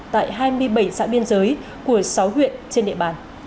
tại hai mươi bảy xã biên giới của sáu huyện trên địa bàn